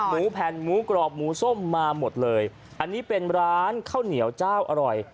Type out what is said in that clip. แผ่นหมูกรอบหมูส้มมาหมดเลยอันนี้เป็นร้านข้าวเหนียวเจ้าอร่อย